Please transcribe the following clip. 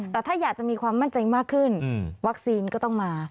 แต่ถ้าอยากจะมีความมั่นใจมากขึ้นวัคซีนก็ต้องมา